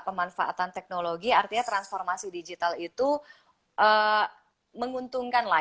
pemanfaatan teknologi artinya transformasi digital itu menguntungkan lah